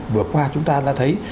vừa qua chúng ta đã thấy